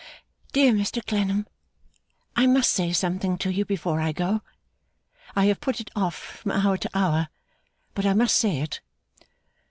'Dear Mr Clennam, I must say something to you before I go. I have put it off from hour to hour, but I must say it.